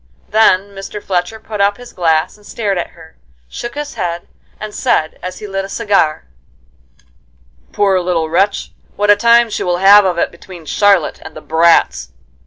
Then Mr. Fletcher put up his glass and stared at her, shook his head, and said, as he lit a cigar: "Poor little wretch, what a time she will have of it between Charlotte and the brats!"